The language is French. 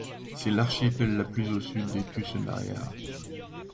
C'est l'archipel la plus au sud des Tusenøyane.